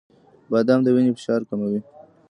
• بادام د وینې فشار کموي.